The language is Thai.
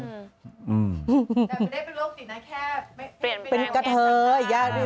แต่ไม่ได้เป็นโรคติดนะแค่เปลี่ยนเป็นกระเท้ออีก